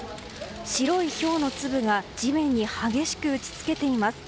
白いひょうの粒が地面に激しく打ち付けています。